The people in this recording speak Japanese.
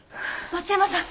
松山さん